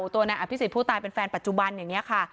ตัวนายอภิษฎผู้ตายเป็นแฟนปัจจุบันอย่างนี้ค่ะ